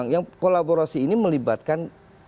yang kolaborasi ini melibatkan